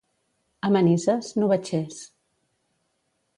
A Manises, novatxers.